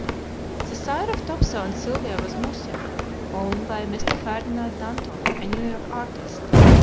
The sire of Topso and Sylvia was Musjah, owned by Mr. Ferdinand Danton, a New York artist.